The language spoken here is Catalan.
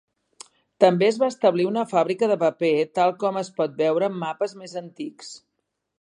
També es va establir una fàbrica de paper tal com es pot veure en mapes més antics.